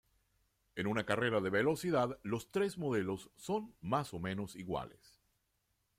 En una carrera de velocidad, los tres modelos son más o menos iguales.